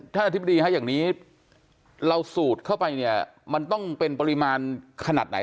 อธิบดีฮะอย่างนี้เราสูดเข้าไปเนี่ยมันต้องเป็นปริมาณขนาดไหน